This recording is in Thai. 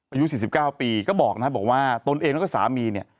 อายุ๔๙ปีก็บอกนะครับบอกว่าตนเองแล้วก็สามีเนี่ย